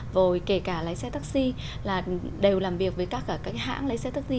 rồi kể cả lái xe taxi là đều làm việc với các hãng lái xe taxi